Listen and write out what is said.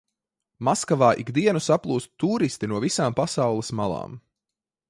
Maskavā ik dienu saplūst tūristi no visām pasaules malām.